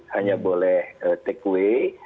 hanya boleh take away